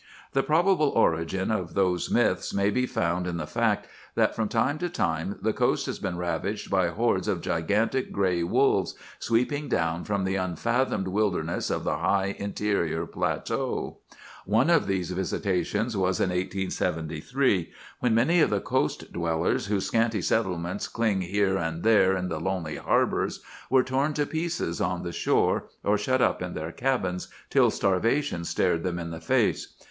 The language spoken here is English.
"The probable origin of those myths may be found in the fact that from time to time the coast has been ravaged by hordes of gigantic gray wolves, sweeping down from the unfathomed wilderness of the high interior plateau. One of these visitations was in 1873, when many of the coast dwellers, whose scanty settlements cling here and there in the lonely harbors, were torn to pieces on the shore, or shut up in their cabins till starvation stared them in the face.